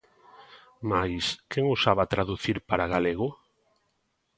Mais, quen ousaba traducir para galego?